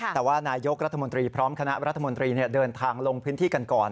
แต่ว่านายกรัฐมนตรีพร้อมคณะรัฐมนตรีเดินทางลงพื้นที่กันก่อน